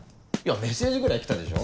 メッセージぐらい来たでしょ。